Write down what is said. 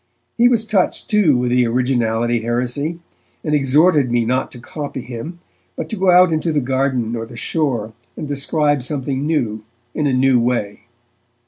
He was touched, too, with the 'originality' heresy, and exhorted me not to copy him, but to go out into the garden or the shore and describe something new, in a new way.